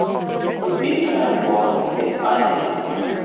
The B-side was If I May.